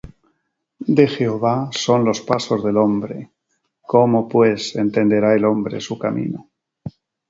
De Jehová son los pasos del hombre: ¿Cómo pues entenderá el hombre su camino?